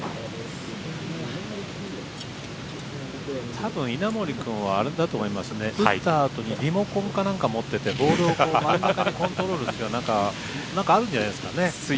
たぶん稲森君はあれだと思いますね打ったあとにリモコンか何か持っててボールを真ん中にコントロールする何かあるんじゃないですかね。